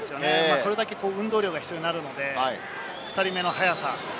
それだけ運動量が必要になるので、２人目の速さ。